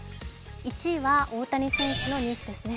１位は、大谷選手のニュースですね。